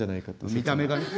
見た目がね。